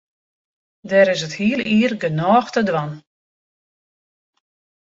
Der is it hiele jier genôch te dwaan.